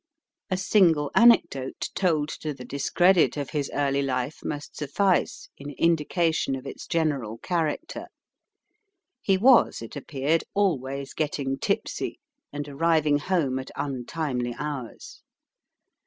A single anecdote told to the discredit of his early life must suffice in indication of its general character. He was, it appeared, always getting tipsy and arriving home at untimely hours.